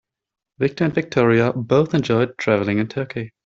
Victor and Victoria both enjoy traveling in Turkey.